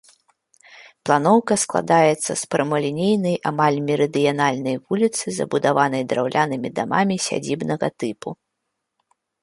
Планоўка складаецца з прамалінейнай амаль мерыдыянальнай вуліцы, забудаванай драўлянымі дамамі сядзібнага тыпу.